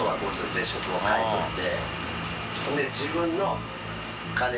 冷食を買い取って。